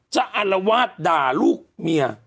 อารวาสด่าลูกเมีย